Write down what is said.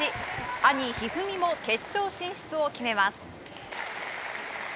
兄・一二三も決勝進出を決めます。